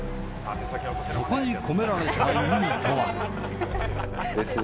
そこに込められた意味とは。